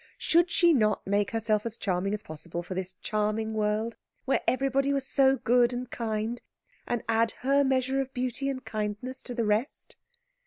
Should she not make herself as charming as possible for this charming world, where everybody was so good and kind, and add her measure of beauty and kindness to the rest?